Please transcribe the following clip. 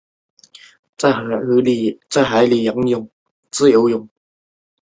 对罹难者家属